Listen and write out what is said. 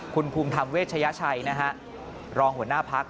คุณภูมิธรรมเวชยชัยนะฮะรองหัวหน้าพัก